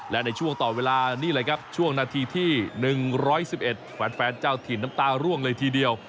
และในช่วงต่อเวลานี่แหละครับช่วงนาทีที่๑๑๑แฟนเจ้าถิ่นน้ำตาร่วงเลยทีเดียว